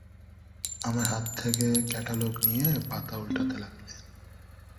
আমার হাত থেকে ক্যাটালগ নিয়ে পাতা ওলটাতে লাগলেন।